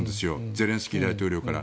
ゼレンスキー大統領から。